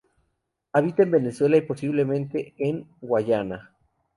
Habita en Venezuela y posiblemente en Guayana.